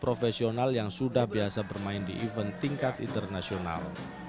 profesional yang sudah biasa bermain di event tingkat internasional